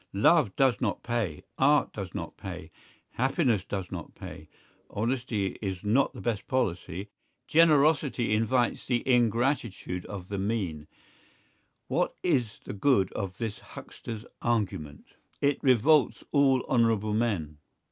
Love does not pay, art does not pay, happiness does not pay, honesty is not the best policy, generosity invites the ingratitude of the mean; what is the good of this huckster's argument? It revolts all honourable men.